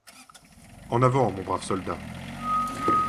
En avant, mon brave soldat !